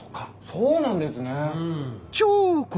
そうなんですね。